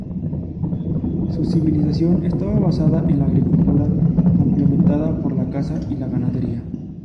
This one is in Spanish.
Su civilización estaba basada en la agricultura, complementada por la caza y la ganadería.